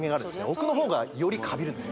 奥の方がよりカビるんです